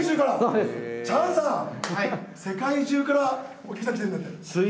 チャンさん世界中からお客さん来てるんですって。